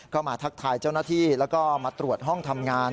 ก็มาทักทายเจ้าหน้าที่แล้วก็มาตรวจห้องทำงาน